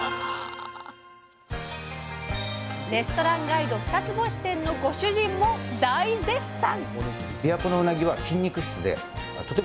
レストランガイドニつ星店のご主人も大絶賛！